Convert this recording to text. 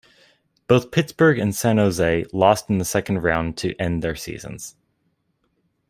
Both Pittsburgh and San Jose lost in the second round to end their seasons.